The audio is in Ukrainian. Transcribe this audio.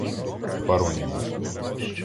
Пароніми